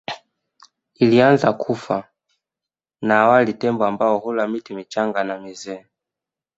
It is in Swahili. Ilianza kufa na awali Tembo ambao hula miti michanga na mizee